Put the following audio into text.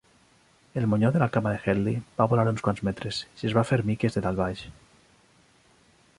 El monyó de la cama de Headley va volar uns quants metres i es va fer miques de dalt baix.